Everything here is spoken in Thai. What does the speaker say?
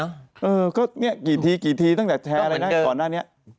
เออก็นี่กี่ทีตั้งแต่แชร์ก่อนหน้านี้